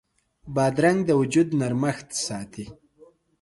بادرنګ د وجود نرمښت ساتي.